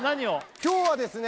今日はですね